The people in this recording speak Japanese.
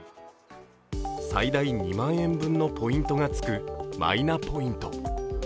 最大２万円分のポイントがつくマイナポイント。